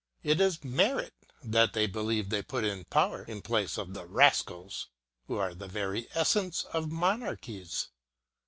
It is merit that they believe they put in power in place of the rascals who are the very essence of monarchies.